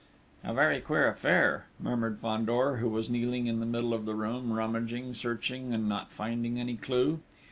"A very queer affair," murmured Fandor, who was kneeling in the middle of the room, rummaging, searching, and not finding any clue.